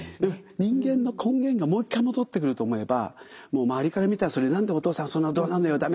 人間の根源がもう一回戻ってくると思えばもう周りから見たらそれ「何でお父さんそんなどなるのよ。